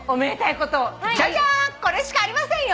これしかありませんよ。